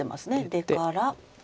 出から。